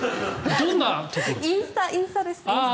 どんなところ？